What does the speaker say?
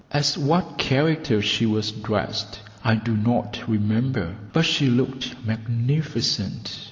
As what character she was dressed I do not remember, but she looked magnificent.